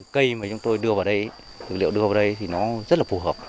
cây mà chúng tôi đưa vào đây dược liệu đưa vào đây thì nó rất là phù hợp